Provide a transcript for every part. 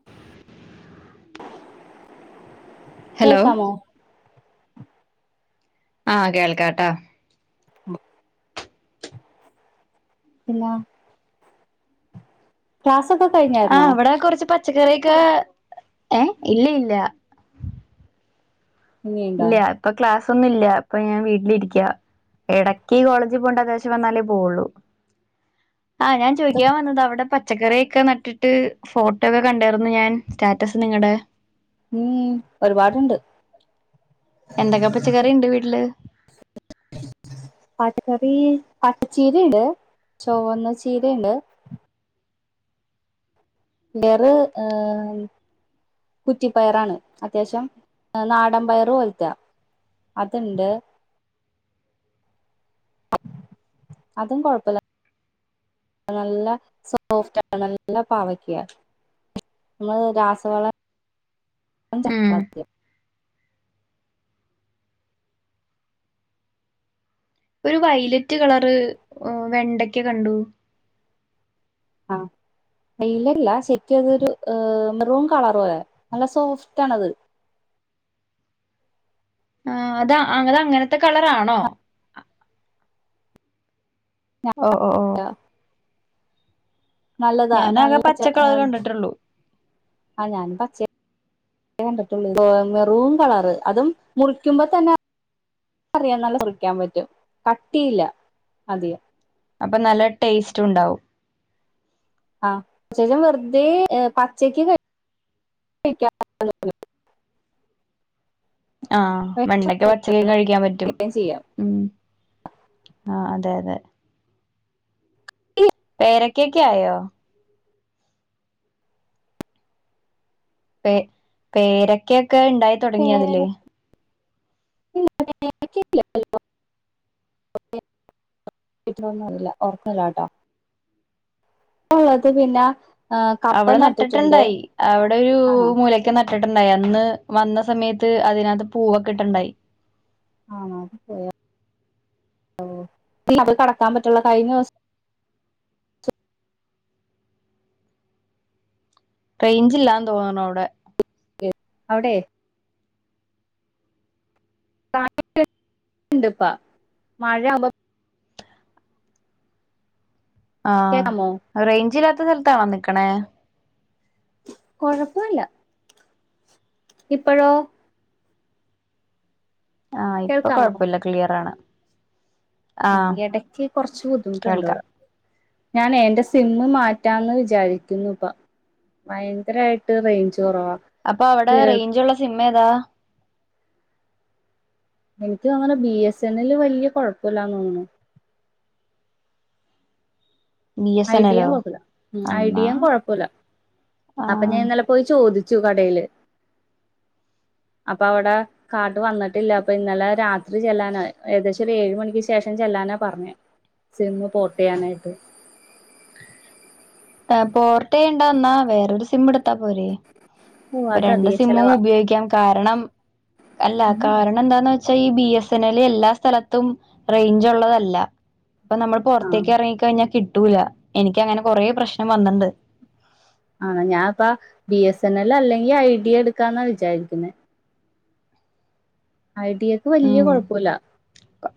[inaudible] Hello കേൾക്കാമോ ആഹ് കേൾക്കാട്ടാ ഉം ഇല്ല ക്ലസ് ഒക്കെ കിഴിഞ്ഞ ആഹ് ഇവിടെ കുറച്ച് പച്ചക്കറിയൊക്കെ ഏഹ് ഇല്ല ഇല്ല ഇനിയുണ്ടോ ഇല്ല ഇപ്പൊ ക്ലാസ് ഒന്നുല്ല അപ്പൊ ഞാൻ വീട്ടിലിരിക്കാ ഇടക്ക് കോളേജ് പോണ്ട അത്യാവശ്യം വന്നാലേ പോവുള്ളു ആഹ് ഞാൻ ചോയ്ക്കാൻ വന്നത് അവിടെ പ പച്ചക്കറിയൊക്കെ നട്ടിട്ട് ഫോട്ടോ ഒക്കെ കണ്ടാരുന്നു ഞാൻ സ്റ്റാറ്റസ് നിങ്ങടെ ഉം ഒരുപാടുണ്ട് എന്തൊക്കെ പച്ചക്കറി ഉണ്ട് വീട്ടില് പച്ചക്കറി പച്ചച്ചീരണ്ട് ചുവന്ന ചീരണ്ട് വേറെ ഏഹ് കുറ്റിപ്പയറാണ് അത്യാവശ്യം നാടം. പയറ് പോൽത്ത അത്ണ്ട് അതും കൊഴപ്പല്ല നല്ല സോഫ്റ്റാ നല്ല പാവക്ക നമ്മള് രാസവള ച [unintelligible] ഒരു വൈലറ്റ് കളറ് വെണ്ടക്ക കണ്ടു ആ [unintelligible] ലല്ല ശരിക്കും അതൊരു മെറൂൺ കളറ് പോല നല്ല സോഫ്റ്റ് ആണത് ആ അത [unintelligible] അങ്ങനത്തെ കളറാണോ ഓ ഓ ഓ നല്ലതാ ഞാനാകെ നല്ല ച പച്ച കളർ കണ്ടിട്ടുള്ളൂ ആ ഞാനും പചെ, കണ്ടിട്ടോള്ളൂ മെറൂം കളറ് അതും മുറിക്കുമ്പോ തന്നെ അറിയാം നല്ല മുറിക്കാൻ പറ്റും കട്ടിയില്ല അതിയം അപ്പം നല്ല ടേസ്റ്റ് ഉണ്ടാവും ആ ശേഷം വെർതെ പച്ചക്ക് കഴി [unintelligible] ആ വെണ്ടക്കെ പച്ചക്ക് കഴിക്കാൻ പറ്റും വേണ്ടിയും ചെയ്യാം ഉം ആ അതെ അതെ പേരക്കെക്കായോ പെ പേരെക്കെക്കെ ഇണ്ടായി തുടങ്ങി പേര അതില് [unintelligible] [unintelligible] ട്ടാ ഉള്ളത് പിന്ന അവടെ നട്ട്ട്ട്ണ്ടായി അവടെ ഒരു ആണോ മൂല ക്ക് നട്ടിട്ടുണ്ടായി അന്ന് വന്ന സമയത്ത് അതിനകത്ത് പൂവൊക്കെ ഇട്ട്ണ്ടായി ആണോ [unintelligible] അത് കടക്കാൻ പറ്റ്ണ്ള്ള കഴിഞ്ഞ ദിവസ റൈഞ്ച് ഇല്ലാന്ന് തോന്ന്ണ് അവ്ട അവ്ടെ [unintelligible] ണ്ട്പ്പ മഴയാവുമ്പ കേക്കാമോ ആഹ് റൈഞ്ച് ഇല്ലാത്ത സ്ഥലത്താണോ നിക്ക്ണേ കൊഴപ്പല്ല ഇപ്പഴോ ആ ഇപ്പൊ കേൾക്കാമോ കൊഴപ്പല്ല ക്ലിയറാണ് ആ ഹ് എടക്ക് കൊർച്ച് ബുദ്ധിമുട്ടുണ്ട് കേൾക്കാം വടെ ഞാനെ എന്റെ സിമ്മ് മാറ്റാന്ന് വിജാരിക്കുന്നു ഇപ്പ ഭയങ്കരായിട്ട് റൈഞ്ച് കൊറവാ അപ്പൊ അവടെ റൈഞ്ച് ഉള്ള സിമ്മ് ഏതാ എനിക്ക് തോന്നുണ് ബി എസ് എൻ എൽ വല്ല്യ കൊഴപ്പല്ലാന്ന് തോന്നുന്നു ബി എസ് എൻ ഐഡിയം എല്ലോ കൊഴപ്പല്ല എന്നാ ഐഡിയം കൊഴ പ്പല്ല അപ്പ ഞാൻ ആഹ് ഇന്നലെ പോയി ചോദിച്ചു കടെല് [inaudible] അപ്പ അവടെ കാർട് വന്നിട്ടില്ല അപ്പൊ ഇന്നലെ രാത്രി ചെല്ലാനാ ഏകദേശം ഒരു ഏഴ് മണിക്ക് ശേഷം ചെല്ലാനാ പർഞ്ഞേ സിമ്മ് പോർട്ട് ചെയ്യാനായിട്ട് പോർട്ട് ചെയ്യണ്ട ന്നാ വേറൊരു സിമ്മ് ഇട്ത്താ പോരെ ഓ ഇപ്പ അത് രണ്ട് അധിക സിമ്മും ചെലവാ ഉപയോഗിക്കാം കാരണം അല്ല കാരണം എന്താന്ന് വെ ച്ച ഈ ബി എസ് എൻ എൽ എല്ലാ സ്ഥലത്തും റൈഞ്ച് ഉള്ളതല്ല അപ്പ നമ്മള് ആഹ് പൊർത്തേക്ക് എറങ്ങി കഴിഞ്ഞാ കിട്ടൂല എനിക്ക് അങ്ങനെ കൊറെ പ്രശ്നം വന്ന്ണ്ട് ആണ് ഞാപ്പ ബി എസ് എൻ എൽ അല്ലെങ്കി ഐ ഡി എ എടുക്കാന്ന വിചാരിക്കുന്നെ ഐ ടി എക്ക് വല്ല്യ കൊഴപ്പല്ല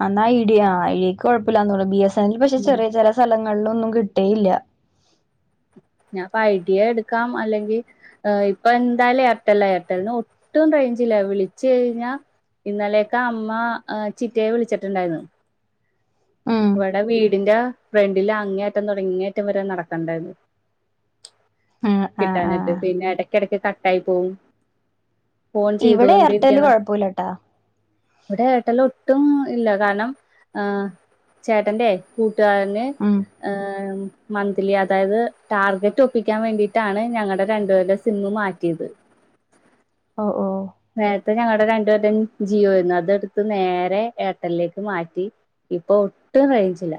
അന്നാ ഐഡിയ ഐഡിയക്ക് കൊഴപ്പില്ലാന്ന് തോന്നുണു ബി എസ് എൻ എൽ പക്ഷെ ഉം ചെറിയ ചെറി സ്ഥലങ്ങളിലൊന്നും കിട്ടേയില്ല ഞാപ്പൊ ഐഡിയ എടുക്കാം അല്ലെങ്കി ഹ് ഇപ്പൊന്തായാലും എയർടെല്ലാ എയർടെല്ലിനു ഒട്ടും റൈഞ്ചില്ല വിളിച്ചു കഴിഞ്ഞാ ഇന്നലെയൊക്കെ അമ്മ ഹ് ചിറ്റയെ വിളിച്ചിട്ടുണ്ടായിരുന്നു ഉം വടെ വീടിന്റെ ഫ്രണ്ടില് അങ്ങേഅറ്റം തൊടങ്ങി ഇങ്ങേയറ്റം വരെ നടക്കണ്ടായിരുന്നു. ആഹ് ആഹ് കിട്ടാഞ്ഞിട്ട് ആഹ് പിന്നെ എടക്കെടക്ക് കട്ടായി പോവും ഫോൺ ഇവിടെ എയർടെല് ചെയ്തോണ്ടിരിക്കാണ് കൊഴപ്പൂല്ലട്ടാ ഇവിടെ ഏർടെല്ല് ഒട്ടും ഇല്ല കാരണം ആ ചേട്ടന്റെ കൂട്ടുകാരന് ഉം ഏഹ് ഉം മന്ത്ലി അതായത് ടാർജറ്റ് ഒപ്പിക്കാൻ വേണ്ടിട്ടാണ് ഞങ്ങടെ രണ്ടുപേരുടെ സിമ്മ് മാറ്റിയത് ഒ ഓ നേരത്തെ ഞങ്ങടെ രണ്ടു പേരുടെയും ജിയോ ആയിരുന്നു അതെടുത്ത് നേരെ എയർടെല്ലിലേക്ക് മാറ്റി. ഇപ്പൊ ഒട്ടും റൈഞ്ചില്ല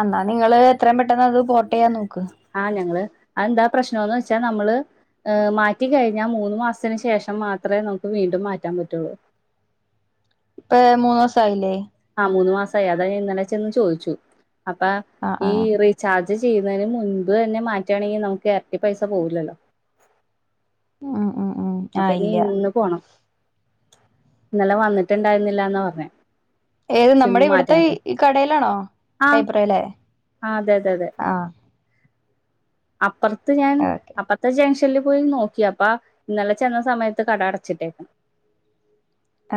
അന്നാ നിങ്ങള് എത്രയും പെട്ടെന്ന് അത് പോർട്ടെയ്യാൻ നോക്ക് ആ ഞങ്ങള് അതെന്താ പ്രശ്നോന്ന് വെച്ചാ നമ്മള് ഏ മാറ്റികഴിഞ്ഞാ മൂന്നു മാസത്തിന് ശേഷം മാത്രേ നമുക്ക് വീണ്ടും മാറ്റാൻ പറ്റുള്ളൂ ഇപ്പ് മൂന്നു മാസായില്ലേ? ആ മൂന്ന് മാസായി അതാ ഞാൻ ഇന്നലെ ചെന്ന് ചോയിച്ചു അപ്പ ആഹ് ഈ ആഹ് റി ചാർജ് ചെയ്യുന്നതിന് മുൻപ് തന്നെ മാറ്റാണെങ്കി നമുക്ക് എരട്ടി പൈസ പോകൂല്ലല്ലോ ഉം ഉം ഉം അപ്പൊ ആഹ് ഇനി ഇല്ല ഇന്ന് പോണം ഇന്നലെ വന്നിട്ടുണ്ടായിരുന്നില്ലാന്ന പറഞ്ഞെ ഏത് നമ്മുടെ സിമ്മ് ഇവിടുത്തെ മാറ്റാനായിട്ട് ഈ കടയിലാണോ ആ ലൈബ്രറിയിലെ ആ അതെ അതെ ആ അപ്പറത്ത് ഞാൻ ഓക്കെ അപ്പറ ത്തെ ജംഗ്ഷനിൽ പോയി നോക്കി അപ്പ ഇന്നലെ ചെന്ന സമയത്ത് കട അടച്ചിട്ടേക്ക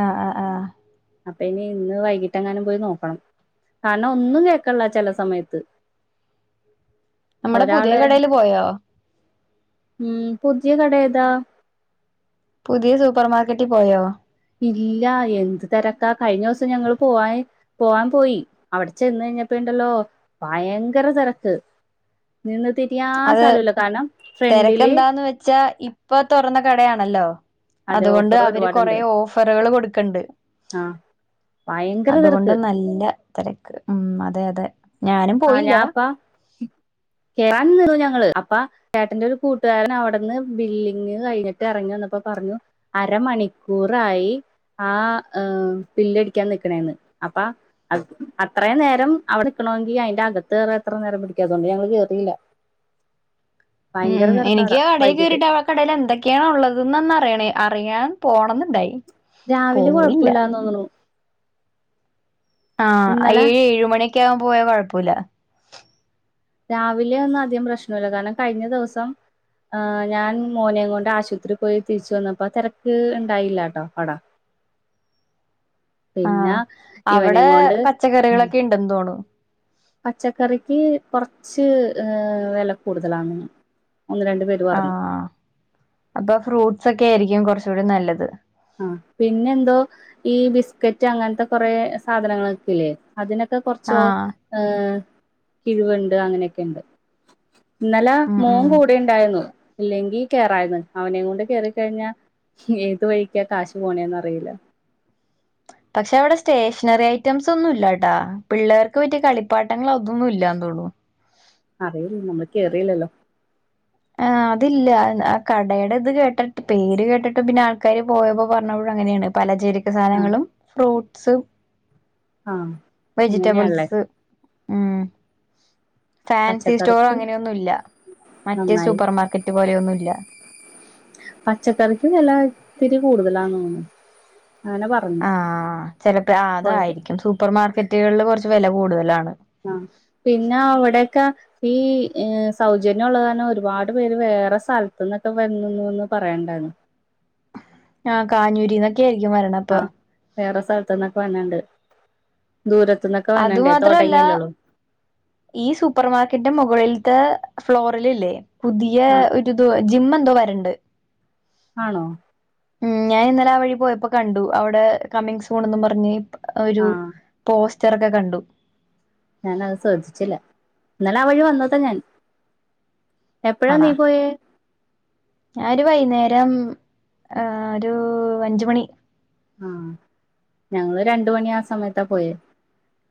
ആ ആ ആ അപ്പൊ ഇനി ഇന്ന് വൈകിട്ട് എങ്ങാനും പോയി നോക്കണം കരണം ഒന്നും കേക്ണില്ല ചെല സമയത്ത് നമ്മുടെ പുതിയ ഒരാള് കടയില് പോയോ? ഉം പുതിയ കട ഏതാ? പുതിയ സൂപ്പർ മാർക്കറ്റിൽ പോയോ? ഇല്ല എന്ത് തെരക്കാ കഴിഞ്ഞോസം ഞങ്ങള് പോവാ പോകാൻ പോയി അവിടെ ചെന്ന് കയ്ഞ്ഞപ്പണ്ടല്ലോ ഭയങ്കര തെരക്ക് നിന്ന് തി അത് തെരക്കെന്താന്ന് വെച്ചാ ഇപ്പൊ തുറന്ന കടയാണല്ലോ. അതെ അതുകൊണ്ട് ഓഫർ അവര് കൊറേ ഒരുപാടുണ്ട് ഓഫറേള് കൊടുക്കണ്ട് ആ ഭയങ്കര അതുകൊണ്ട് തെരക്ക് നല്ല തെരക്ക് ഉം അതെ അതെ ഞാനും ആ പോയില്ല ഞാൻപ്പാ [inaudible] കേറാൻ നിന്നു ഞങ്ങള് അപ്പ ചേട്ടന്റെ ഒരു കൂട്ടുകാരൻ അവിടുന്ന് ബില്ലിങ്ങ് കഴിഞ്ഞിട്ട് ഇറങ്ങി വന്നപ്പോ പറഞ്ഞു അരമണിക്കൂറായി ആ ഏ ബില്ലടിക്കാൻ നിക്കണേന്ന് അപ്പ അഹ് അത്രേം നേരം അവിടെക്കണോ ഈ അയിന്റെ അകത്ത് കേറാൻ എത്ര നേരം പിടിക്കും അതോണ്ട് ഞങ്ങള് കേറീല്ല. ഉം തിരക്കാട എനിക്ക് കടയിൽ വൈകിട്ട് കേറിയിട്ടാ വ കടയില് എന്തൊക്കെയാണ് ഉള്ളതൊന്നെന്ന് അറിയണെ അറിയാൻ പോണംന്നുണ്ടായിനി. രാവിലെ കൊഴപ്പല്ലാന്ന് തോന്നണു ആഹ് ഏഴ് ഏഴുമണിയൊക്കെകാ കു പോയ കുഴപ്പല്ല രാവിലെ ഒന്നും അധികം പ്രശ്നല്ല. കാരണം കഴിഞ്ഞ ദിവസം ആഹ് ഞാൻ മോനെയും കൊണ്ട് ആശുത്രി പോയി തിരിച്ചു വന്നപ്പോ തെരക്ക്., ഇണ്ടായില്ലാട്ടോ അവ്ടേ പിന്നെ ആഹ് അവിടെ ഇവനെയും കൊണ്ട് പച്ചക്കറികളൊക്കെ ഇൻ എന്തോണോ പച്ചക്കറിക്ക് കുറച്ച് ഏ വെല കൂടുതലാന്നുണു ആഹ് അപ്പം ഫ്രൂട്ട്സൊക്കെ യിരിക്കും കുർച്ചൂടിം നല്ലത് ആഹ് പിന്നെന്തോ ഈ ബിസ്കറ്റ് അങ്ങൻത്തെ കൊറേ സാധനങ്ങളൊക്കൂ ല്ലേ അതിനൊക്കെ കുർച്ചോ ആഹ് ഏ കിഴിവ്ണ്ട് അങ്ങനെക്കെണ്ട് ഇന്നലെ ഉം മോം ഉം കൂടെ ണ്ടായിരുന്നു. ഇല്ലെങ്കി കേറായിരുന്നു അവനെ കൊണ്ട് കേറിക്കഴിഞ്ഞാ ഏത് വഴി ക്കാ കാശ് പോണേന്നറിയില്ല പക്ഷെ അവിടെ സ്റ്റേഷനറി ഐറ്റംസ് ഒന്നും ഇല്ലട്ടാ. പിള്ളേർക്ക് പറ്റിയ കളിപ്പാട്ടങ്ങള് അതൊന്നും ഇല്ലാ തൊള്ളൂ അറിയില്ല നമ്മള് കേറീല്ലല്ലോ ആഹ് അതില്ല ആ കടയുടെ ഇത് കേട്ടിട്ട് പേര് കേട്ടിട്ട് പിന്നെ ആൾക്കാര് പോയപ്പോ പറഞ്ഞൗ അങ്ങനേണ് പലചരക്ക് ആ സാനങ്ങളും ഫ്രൂട്ട്സും ആ അങ്ങനെയാള്ളേ വെജിറ്റബിൾസ് ഉം ഫാൻസി സ്റ്റോറ് പച്ചക്കറിക്ക് അങ്ങനെയൊന്നുല്ല മറ്റേ നന്നായി സൂപ്പർ മാർക്കറ്റ് പോലെയൊന്നുല്ല പച്ചക്കറിക്ക് വെല ഇത്തിരി കൂടുതലാന്ന് തോന്നുന്നു. അങ്ങനെ പ ആഹ് ചെലപ്പ ആ അതായിരിക്കും സൂപ്പർ മാർക്കറ്റ്കള്ല് കൊർച്ച് വെല കൂടുതലാണ് ആഹ് പിന്നെ അവിടൊക്കെ ഈ സൗജന്യ ള്ളത് കാരണം ഒരുപാട് പേര് വേറെ സൽത്ത്ന്നൊക്കെ വന്നുന്നൂന്ന് പറയണ്ടായിരുന്നു ആഹ് കാഞ്ഞൂരിന്നൊക്കെയായിരിക്കും വര്ണപ്പാ ആഹ് വേറെ സൽത്ത്ന്നൊക്കെ വന്ണ്ട് ദൂരത്ത്ന്നൊക്കെ അത് വന്ണ്ട് മാത്രല്ല തൊടങ്ങില്ലേള്ളു ഈ സൂപ്പർ മാർക്കറ്റിന്റെ മുകളിൽത്തെ ഫ്ലോറില് ല്ലേ പുതിയ ആഹ് ഒ ത് ഒ ജിംമ്മ് എന്തോ വര്ണ്ട് ആണോ ഉം ഞാനിന്നലെ ആ വഴി പോയപ്പോ കണ്ടു. അവ്ടെ കമിങ് സൂണെന്നും പറഞ്ഞ് ഒരു ആഹ് പോസ്റ്ററൊക്കെ കണ്ടു ഞാനത് ശ്രദ്ധിച്ചില്ല. ഇന്നലെ ആ വഴി വന്നതാ ഞാൻ എപ്പഴാ നീ പോയേ ഞാഒരു വൈന്നേരം ആ ഒരു അഞ്ച് മണി ആഹ് ഞങ്ങള് രണ്ട് മണിയാ സമയത്താ പോയേ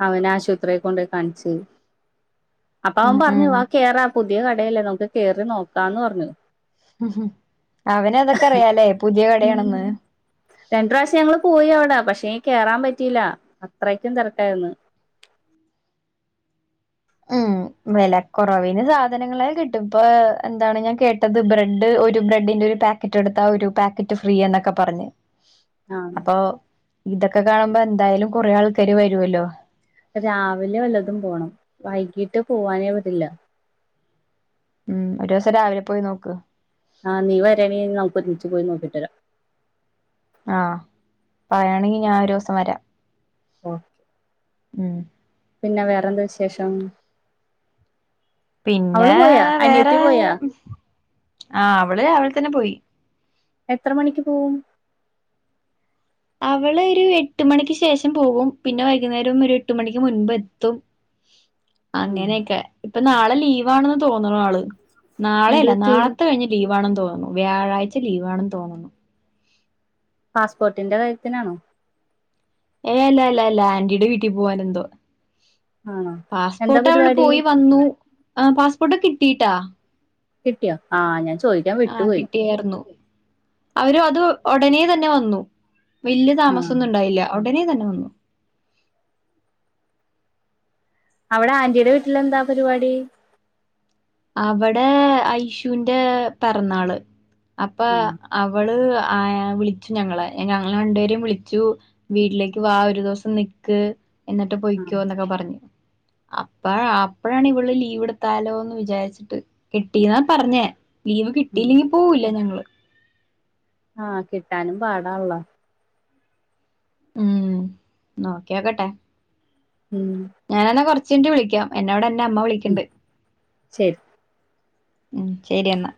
അവനാശുത്രി കൊണ്ട് കാണിച്ച് അപ്പ വൻ ഉം ഉം പർഞ്ഞ് വാ കേറാ പുതിയ കടയല്ലേ നമുക്ക് കേറി നോക്കാന്ന് പറഞ് ഹ് ഹും അവനതൊക്കെ അറിയാലേ പുതിയ കടയാണെന്ന് ഉം രണ്ട് റാശ്യം ഞങ്ങള് പോയി അവിടെ പക്ഷെ ങ്കി കേറാൻ പറ്റിയില്ല അത്രയ്ക്കും തെരക്കായിര്ന്ന് ഉം വെലക്കൊറവിന് സാധനങ്ങളെ കിട്ടും ഇപ്പൊ എന്താണ് ഞാൻ കേട്ടത് ബ്രെഡ് ഒരു ബ്രെഡിന്റെ ഒരു പാക് ക്കറ്റ് എടുത്താ ഒരു പാക്കറ്റ് ഫ്രീ യെന്നൊക്കെ പറഞ്ഞ് ആഹ് അപ്പൊ ഇതൊക്കെ കാണുമ്പോ എന്തായാലും കൊറെ ആൾക്കാര് വരുവല്ലോ രാവിലെ വല്ലതും പോണം വൈകീട്ട് പോവാനേഇത്ല്ല ഉം ഒരോസം രാവിലെ പോയി നോക്ക് ആഹ് നീ വരാണങ്കി നമുക്ക് ഒരുമിച്ച് പോയി നോക്കിട്ട് വരാം ആഹ് പറയായാണെങ്കി ഞാൻ ഒരൂസം വരാം ഓഹ് ഉം പിന്നെ വേറെന്ത വിശേഷം പിന്നേ.. അവള് പോയാ വേറെ... അനിയത്തി പോയാ ആ അവള് രാവിലെ തന്നെ പോയി എത്ര മണിക്ക് പോവും അവളൊരു എട്ട് മണിക്ക് ശേഷം പോവും പിന്നെ വൈകുന്നേരം ഒര് എട്ട് മണിക്ക് മുൻപെത്തും അങ്ങനെയെക്കെ ഇപ്പ നാളെ ലീവാണെന്ന് തോന്ന്ണു ആള് എന്ത് നാളെയല്ല പറ്റി നാളത്തെ കഴിഞ്ഞിട്ട് ലീവാണെന്ന് തോന്നുന്നു വ്യാഴാഴ്ച ലീവണെന്ന് തോന്നുന്നു പാസ്പോർട്ടിന്റെ കാര്യത്തിനാണോ ഏയ്ല്ലാല്ലാല്ല ആന്റീടെ വീട്ടി പോവാനെന്തോ ആണോ എന്താ പാസ്പോർട്ടവള് പരിപാടി പോയി വന്നു ആ പാസ്പോർട്ട് കിട്ടിട്ടാ കിട്ടിയോ ആ ഞാൻ ചോദിക്കാൻ വിട്ടു പോയി ഏർന്നു അവരുവത്, ഒടനെ തന്നെ വന്നു വല്യ ആ താമസൊന്നുണ്ടായില്ല. ഒടനെ തന്നെ വന്നു. അവിടാന്റിടെ വീട്ടിലെന്താ പരിപാടി അവിടെ ഐശൂന്റെ പെറന്നാള്. അപ്പൊ ആ അവള് അയാ വിളിച്ചു ഞങ്ങളെ, ഞങ്ങളെ രണ്ടുപേരെയും വിളിച്ചു. വീട്ടിലേക്ക് വാ ഒരു ദെവസം നിക്ക്. എന്നിട്ട് ആ പൊയ്ക്യോന്നൊക്കെ പറഞ്ഞ് അപ്പ അപ്പഴാണിവിള് ലീവ്ടുത്താലോന്ന് വി ചാരിച്ചിട്ട് കിട്ടിന്നാ പറഞ്ഞേ ലീവ് കിട്ടിയില്ലെങ്കി പോവൂല്ല ഞങ്ങള് ആഹ് കിട്ടാനും പാടാള്ളൊ ഉം നോക്കിയോക്കട്ടെ ഉം ഞാനന്നാ കൊറച്ചാട്ട് വിളിക്കാം എന്നേവിടെന്റമ്മ ഉം വിളിക്കണ്ട് ശരി ഉം ശരി എന്നാ